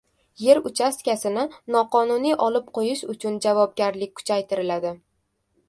Yer uchastkasini noqonuniy olib qo‘yish uchun javobgarlik kuchaytiriladi